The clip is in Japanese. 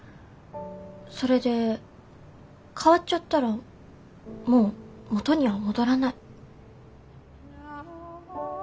それで変わっちゃったらもう元には戻らない。